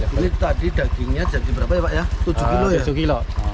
ini tadi dagingnya jadi berapa ya pak ya tujuh kilo ya kilo